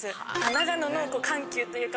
長野の緩急というか。